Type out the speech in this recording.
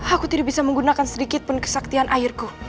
aku tidak bisa menggunakan sedikit pun kesaktian airku